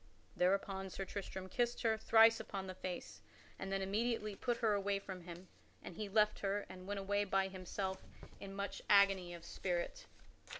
Thereupon Sir Tristram kissed her thrice upon the face, and then immediately put her away from him and he left her and went away by himself in much agony of spirit.